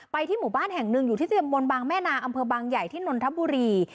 ที่หมู่บ้านแห่งหนึ่งอยู่ที่ตำบลบางแม่นาอำเภอบางใหญ่ที่นนทบุรี